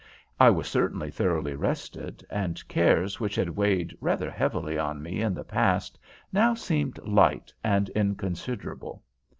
I was certainly thoroughly rested, and cares which had weighed rather heavily on me in the past now seemed light and inconsiderable.